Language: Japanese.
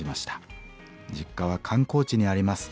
実家は観光地にあります。